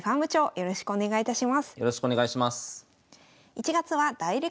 よろしくお願いします。